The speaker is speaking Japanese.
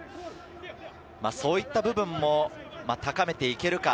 そういった部分も高めていけるか。